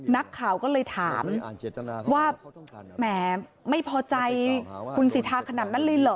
นักข่าวก็เลยถามว่าแหมไม่พอใจคุณสิทธาขนาดนั้นเลยเหรอ